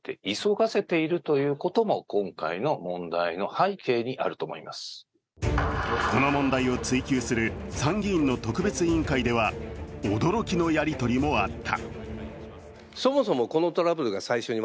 ＩＴジャーナリストの三上氏はこの問題を追及する参議院の特別委員会では驚きのやり取りもあった。